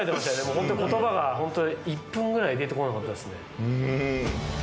ホント言葉が１分くらい出てこなかったですね。